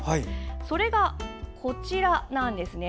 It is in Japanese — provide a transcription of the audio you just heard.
それが、こちらなんです。